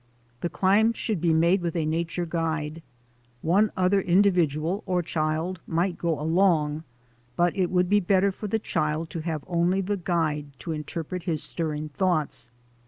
The climb should be made with a nature guide. One other individual or child might go along, but it would be better for the child to have only the guide to interrupt his stirring thoughts.